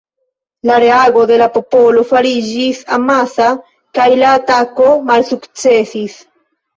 La reago de la popolo fariĝis amasa kaj la atako malsukcesis.